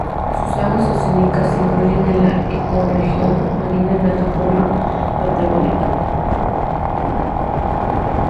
Sus aguas oceánicas se incluyen en la ecorregión marina plataforma patagónica.